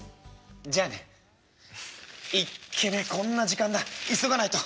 「じゃあね。いっけねこんな時間だ急がないと。